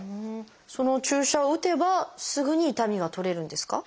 その注射を打てばすぐに痛みが取れるんですか？